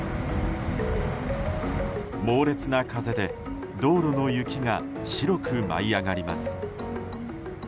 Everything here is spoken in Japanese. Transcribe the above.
猛烈な風で道路の雪が白く舞い上がります。